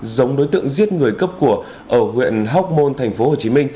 giống đối tượng giết người cấp của ở huyện hóc môn tp hcm